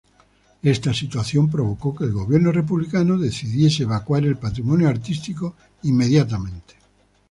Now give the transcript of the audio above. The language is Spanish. Esta situación provocó que el gobierno republicano decidiese evacuar el patrimonio artístico inmediatamente.